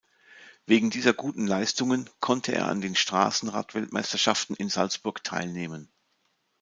Wegen dieser guten Leistungen konnte er an den Straßen-Radweltmeisterschaften in Salzburg teilnehmen.